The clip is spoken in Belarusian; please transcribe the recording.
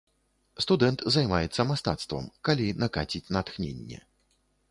Студэнт займаецца мастацтвам, калі накаціць натхненне.